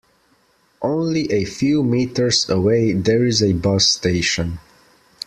Only a few meters away there is a bus station.